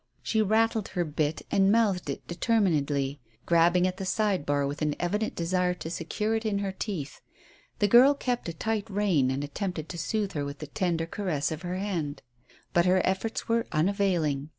She rattled her bit and mouthed it determinedly, grabbing at the side bar with an evident desire to secure it in her teeth. The girl kept a tight rein and attempted to soothe her with the tender caress of her hand; but her efforts were unavailing.